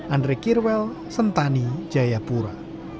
andre kirwel sentani jayapura